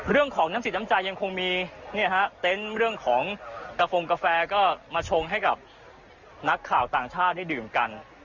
เรื่องของน้ำจิตน้ำใจยังคงมีเต็นต์เรื่องของกระโฟงกาแฟก็มาชงให้กับนักข่าวต่างชาติได้ดื่มกัน